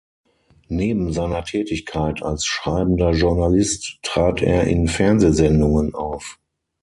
Neben seiner Tätigkeit als schreibender Journalist trat er in Fernsehsendungen auf.